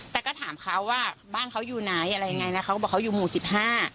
แต่ก็ถามเขาว่าบ้านเขาอยู่ไหนอะไรยังไงนะเขาก็บอกเขาอยู่หมู่สิบห้า